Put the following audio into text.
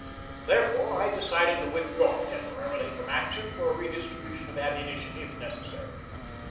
Therefore, I decided to withdraw temporarily from action for a redistribution of ammunition if necessary.